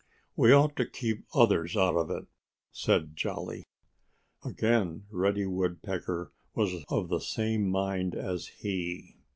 "We ought to keep others out of it," said Jolly. Again Reddy Woodpecker was of the same mind as he.